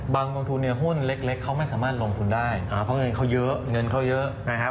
บางกองทุนเนี่ยหุ้นเล็กเขาไม่สามารถลงทุนได้เพราะเงินเขาเยอะ